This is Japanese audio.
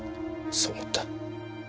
そう思った。